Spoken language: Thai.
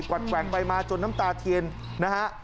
วัดแกว่งไปมาจนน้ำตาเทียนนะฮะ